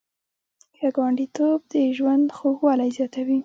ښه ګاونډیتوب د ژوند خوږوالی زیاتوي.